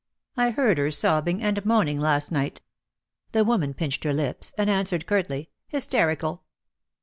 "I heard her sobbing and moaning last night." The woman pinched her lips, and answered curtly: "Hysterical."